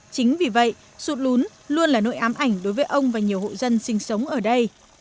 chính vì vậy sụt lún luôn là nỗi ám ảnh đối với ông và nhiều hộ dân sinh sống ở đây